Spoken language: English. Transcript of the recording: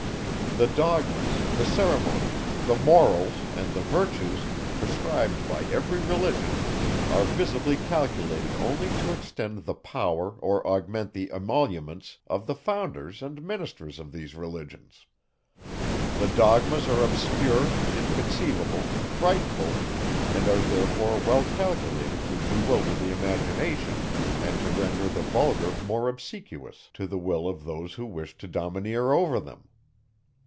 The dogmas, the ceremonies, the morals, and the virtues, prescribed by every Religion, are visibly calculated only to extend the power or augment the emoluments of the founders and ministers of these Religions. The dogmas are obscure, inconceivable, frightful, and are therefore well calculated to bewilder the imagination and to render the vulgar more obsequious to the will of those who wish to domineer over them.